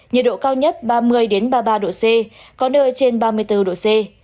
nhiệt độ cao nhất ba mươi ba mươi ba độ c có nơi trên ba mươi bốn độ c